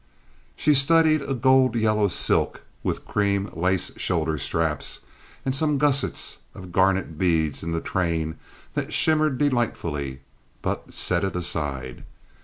She studied a golden yellow silk, with cream lace shoulder straps, and some gussets of garnet beads in the train that shimmered delightfully, but set it aside.